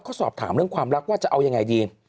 เขาสอบถามเรื่องความรักว่าจะเอายังไงดี